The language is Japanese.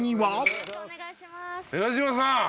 寺島さん